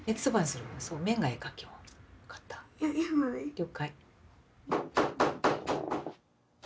了解。